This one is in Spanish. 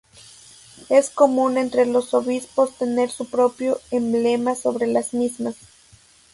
Es común entre los obispos tener su propio emblema sobre las mismas.